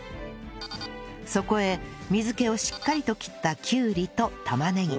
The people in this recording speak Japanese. そこへ水気をしっかりと切ったきゅうりと玉ねぎ